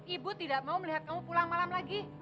ibu tidak mau melihat kamu pulang malam lagi